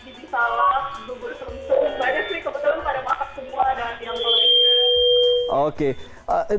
banyak sih kebetulan pada makan semua ada yang pelan pelan